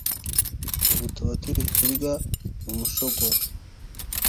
ubu tuba turi kurya umushogoro